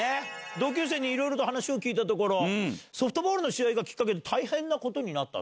同級生にいろいろと話を聞いたところ、ソフトボールの試合がきっかけで大変なことになったと。